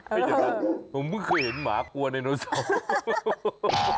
เดี๋ยวผมเหมือนเคยเห็นหมากลัวไนโนโซม